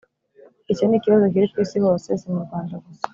icyo ni ikibazo kiri ku isi hose si mu rwanda gusa;